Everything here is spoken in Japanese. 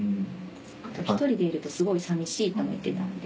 あと「１人でいるとすごい寂しい」とも言ってたんで。